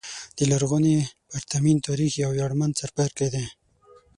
د لرغوني پرتمین تاریخ یو ویاړمن څپرکی دی.